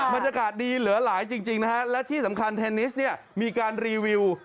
มาตระกาศดีเหลือหลายจริงและที่สำคัญเทนนี้นั้นมีการรีวิว